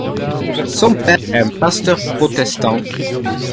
Son père est un pasteur protestant.